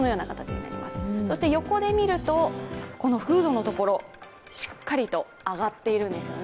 そして横で見ると、フードのところしっかりと上がっているんですね。